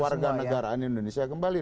kelihatan negaraan indonesia kembali